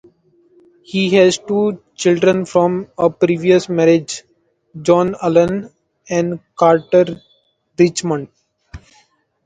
He has two children from a previous marriage: John Alan and Carter Richmond.